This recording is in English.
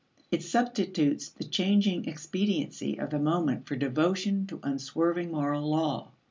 It substitutes the changing expediency of the moment for devotion to unswerving moral law.